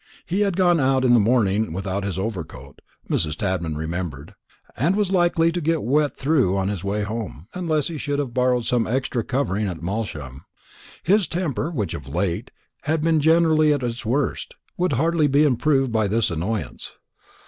He had gone out in the morning without his overcoat, Mrs. Tadman remembered, and was likely to get wet through on his way home, unless he should have borrowed some extra covering at Malsham. His temper, which of late had been generally at its worst, would hardly be improved by this annoyance.